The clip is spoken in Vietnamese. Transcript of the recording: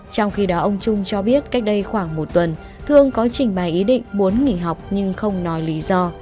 trong khi đó ông trung cho biết cách đây khoảng một tuần thương có trình bày ý định muốn nghỉ học nhưng không nói lý do